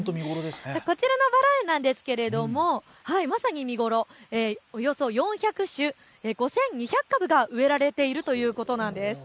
こちらのバラ園ですがまさに今、見頃、およそ４００種、５２００株が植えられているということです。